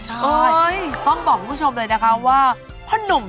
ไอล์โหลดแล้วคุณผู้ชมค่ะมีแต่ทำให้เรามีรอยยิ้ม